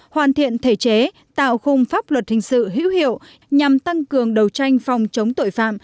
hoàn thiện thể chế tạo khung pháp luật hình sự hữu hiệu nhằm tăng cường đấu tranh phòng chống tội phạm